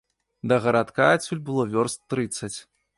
Да гарадка адсюль было вёрст трыццаць.